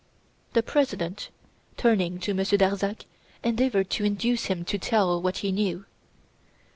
The President, turning to Monsieur Darzac, endeavoured to induce him to tell what he knew.